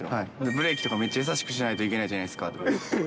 ブレーキとかもめっちゃ優しくしないといけないじゃないですか。